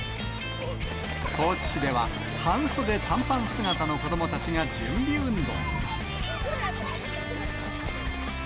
高知市では、半袖短パン姿の子どもたちが準備運動。